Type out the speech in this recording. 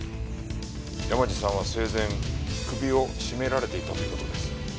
山路さんは生前首を絞められていたという事です。